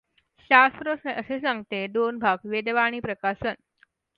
शास्त्र असे सांगते दोन भाग; वेदवाणी प्रकशन